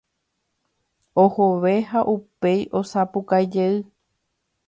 Ohove ha upéi osapukajey.